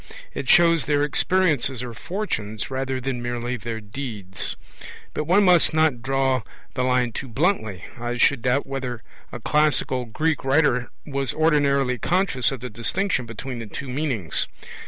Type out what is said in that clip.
It shows their experiences or fortunes rather than merely their deeds. But one must not draw the line too bluntly. I should doubt whether a classical Greek writer was ordinarily conscious of the distinction between the two meanings.